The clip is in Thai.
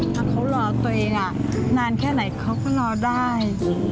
ถ้าเขารอตัวเองนานแค่ไหนเขาก็รอได้